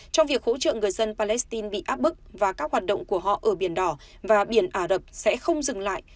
trong việc hỗ trợ người dân palestine bị áp bức và các hoạt động của họ ở biển đỏ và biển ả rập sẽ không dừng lại